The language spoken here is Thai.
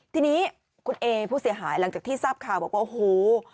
ทีนี้คุณเอผู้เสียหายหลังจากที่ทราบข่าวบอกว่าโอ้โห